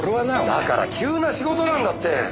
だから急な仕事なんだって！